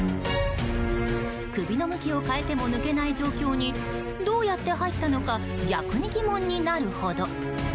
首の向きを変えても抜けない状況にどうやって入ったのか逆に疑問になるほど。